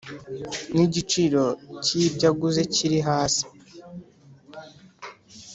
n'igiciro cy'ibyo aguze kiri hasi